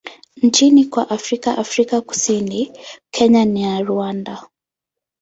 nchini kwa Afrika Afrika Kusini, Kenya na Rwanda.